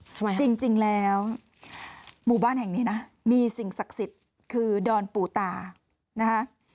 ทำไมจริงแล้วหมู่บ้านแห่งนี้นะมีสิ่งศักดิ์สิทธิ์คือดอนปู่ตานะคะ